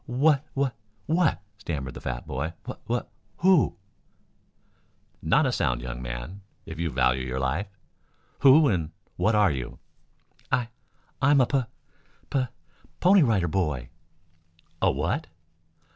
"Wha wha what " stammered the fat boy. "Wh wh who " "Not a sound, young man, if you value your life. Who and what are you?" "I I'm a Pu Pu Pony Rider Boy." "A what?"